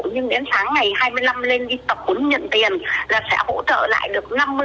nhưng đến sáng ngày hai mươi năm lên đi tập quấn nhận tiền là sẽ hỗ trợ lại được năm mươi mua tài hiệu